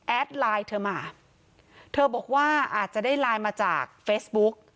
ไลน์เธอมาเธอบอกว่าอาจจะได้ไลน์มาจากเฟซบุ๊ก